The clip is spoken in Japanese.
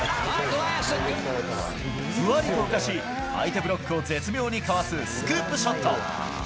ふわりと浮かし、相手ブロックを絶妙にかわすスクープショット。